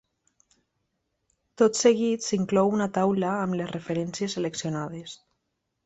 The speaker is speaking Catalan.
Tot seguit s'inclou una taula amb les referències seleccionades.